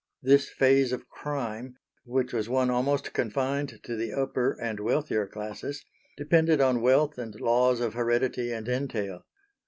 This phase of crime, which was one almost confined to the upper and wealthier classes, depended on wealth and laws of heredity and entail.